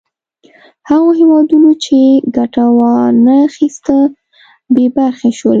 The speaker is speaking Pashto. هغو هېوادونو چې ګټه وا نه خیسته بې برخې شول.